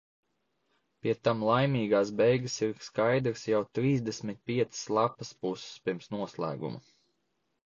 Pie tam laimīgās beigas ir skaidras jau trīsdesmit piecas lapas puses pirms noslēguma.